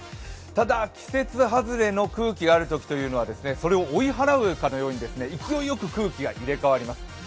ただ、季節はずれの空気があるときというのはそれを追い払うかのように勢いよく空気が入れかわります。